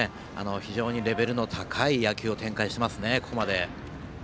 非常にレベルの高い野球を展開していますね、ここまで。